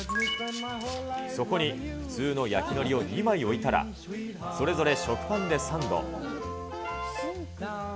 そこに普通の焼きのりを２枚置いたら、それぞれ食パンでサンド。